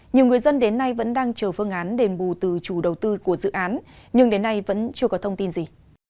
nhiều người dân đến nay vẫn đang chờ phương án đền bù từ chủ đầu tư của dự án nhưng đến nay vẫn chưa có thông tin gì